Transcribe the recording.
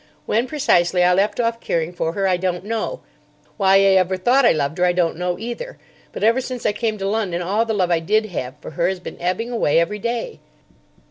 When precisely I left off caring for her I don't know. Why I ever thought I loved her I don't know, either. But ever since I came to London all the love I did have for her has been ebbing away every day."